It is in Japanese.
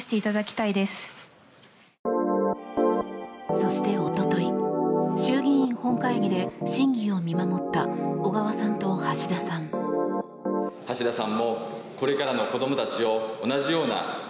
そして、おととい衆議院本会議で審議を見守った小川さんと橋田さん。